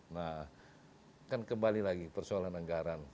nah kan kembali lagi persoalan anggaran